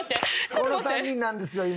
この３人なんですよ今。